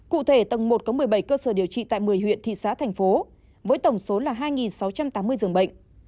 cụ thể tầng một có một mươi bảy cơ sở điều trị tại một mươi huyện thị xã thành phố với tổng số là hai sáu trăm tám mươi dường bệnh